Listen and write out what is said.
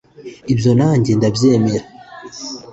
Ibyo nanjye ndabyemera